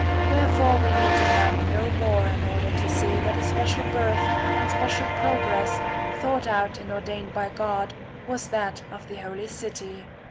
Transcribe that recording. Wherefore we ®ce for need demand no more in order to see that a °'"® special birth and special progress, thought out and ordained by God, was that of the holy city.